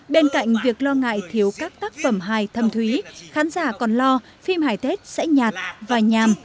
bên cạnh việc lo ngại thiếu các tác phẩm hài thâm thúy khán giả còn lo phim hài tết sẽ nhạt và nhàm